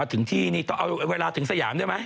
ต้องเอาเวลาถึงสยามด้วยไหม